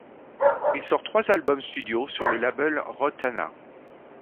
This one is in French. Il sort trois albums studio sur le label Rotana.